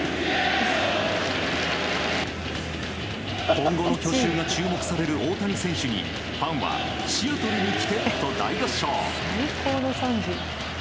今後の去就が注目される大谷選手にファンは、シアトルに来てと大合唱。